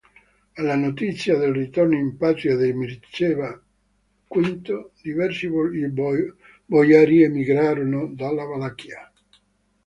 Alla notizia del ritorno in patria di Mircea V, diversi boiari emigrarono dalla Valacchia.